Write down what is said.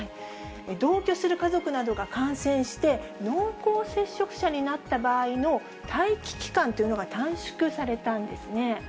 同居する家族などが感染して、濃厚接触者になった場合の待機期間というのが短縮されたんですね。